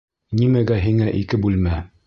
Нимәгә һиңә ике бүлмә?